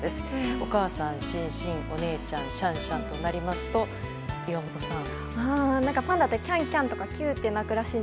お母さんシンシンお姉ちゃんシャンシャンとなると岩本さん。